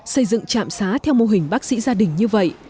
xây dựng trạm xá theo mô hình bác sĩ gia đình như vậy